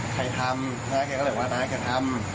ใครทำน้าแกก็เลยว่าน้าแกทำ